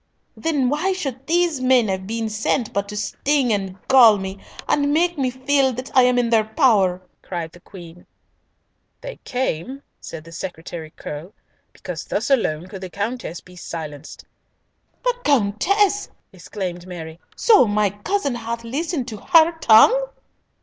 "Then why should these men have been sent but to sting and gall me, and make me feel that I am in their power?" cried the Queen. "They came," said the Secretary Curll, "because thus alone could the Countess be silenced." "The Countess!" exclaimed Mary. "So my cousin hath listened to her tongue!"